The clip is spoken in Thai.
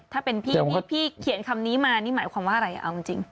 ถ้าเป็นพี่พี่เขียนคำนี้มานี่หมายความว่าอะไรเอาจริง